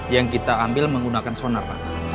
yang kita ambil menggunakan sonar pak